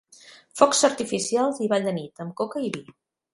Focs artificials i ball de nit amb coca i vi.